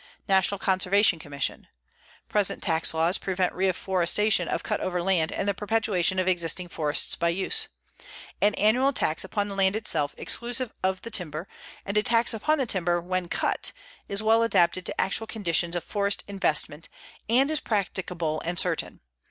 National Conservation Commission: "Present tax laws prevent reforestation of cut over land and the perpetuation of existing forests by use. An annual tax upon the land itself, exclusive of the timber, and a tax upon the timber when cut is well adapted to actual conditions of forest investment and is practicable and certain.